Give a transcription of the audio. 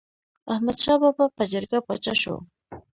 احمد شاه بابا په جرګه پاچا شو.